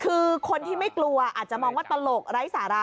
คือคนที่ไม่กลัวอาจจะมองว่าตลกไร้สาระ